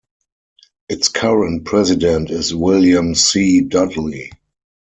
Its current president is William C. Dudley.